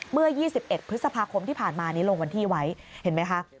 เมื่อ๒๑พฤษภาคมที่ผ่านมานี้ลงวันที่ไว้เห็นไหมคะ